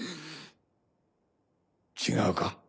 違うか？